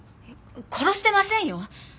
殺してませんよ。